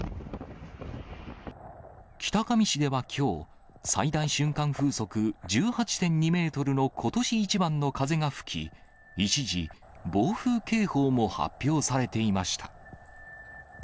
北上市ではきょう、最大瞬間風速１８．２メートルのことし一番の風が吹き、一時、暴風警報も発表されていました。